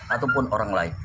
ataupun orang lain